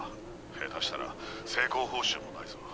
下手したら成功報酬もないぞ。